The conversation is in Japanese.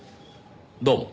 どうも。